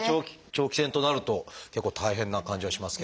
長期戦となると結構大変な感じがしますけれども。ですね。